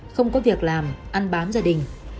không có việc làm ăn bám gia đình